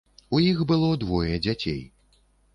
У іх было двое дзяцей.